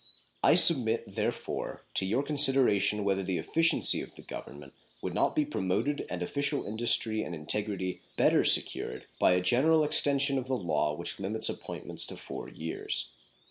I submit, therefore, to your consideration whether the efficiency of the Government would not be promoted and official industry and integrity better secured by a general extension of the law which limits appointments to four years.